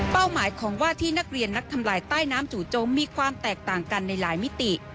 หมายของว่าที่นักเรียนนักทำลายใต้น้ำจู่จมมีความแตกต่างกันในหลายมิติ